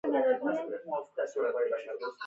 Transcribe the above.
هلک مهربان دی.